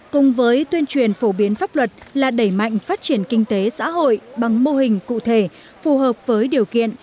cùng với tuyên truyền phổ biến pháp luật là đẩy mạnh phát triển kinh tế xã hội bằng mô hình cụ thể phù hợp với điều kiện